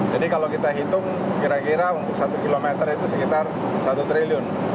jadi kalau kita hitung kira kira untuk satu kilometer itu sekitar satu triliun